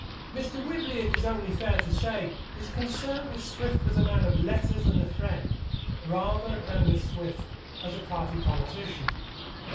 Mr. Whibley, it is only fair to say, is concerned with Swift as a man of letters and a friend, rather than with Swift as a party politician.